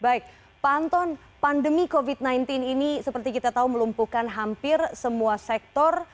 baik pak anton pandemi covid sembilan belas ini seperti kita tahu melumpuhkan hampir semua sektor